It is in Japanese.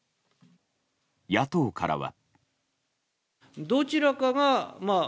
野党からは。